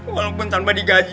walaupun tanpa digaji